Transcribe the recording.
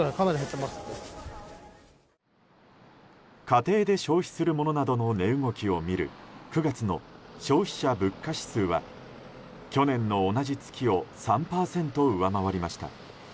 家庭で消費するものなどの値動きを見る９月の消費者物価指数は去年の同じ月を３％上回りました。